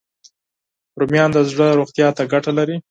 رومیان د زړه روغتیا ته ګټه لري